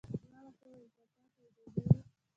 ما ورته وویل کاکا که اجازه وي.